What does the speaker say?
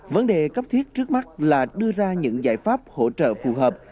vấn đề cấp thiết trước mắt là đưa ra những giải pháp hỗ trợ phù hợp